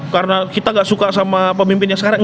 karena kita gak suka sama pemimpin yang sekarang